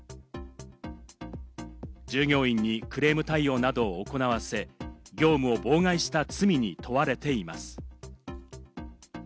従業員にクレーム対応などを行わせ、業務を妨害した罪に問われています。